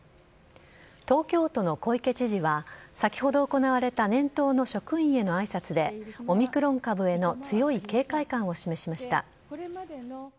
東京都の小池知事は、先ほど行われた年頭の職員へのあいさつで、オミクロン株への強い警戒感を示しました。